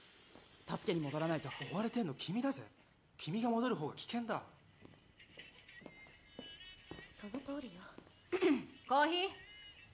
助けに戻らないと追われてんの君だぜ君が戻る方が危険だそのとおりよコーヒー？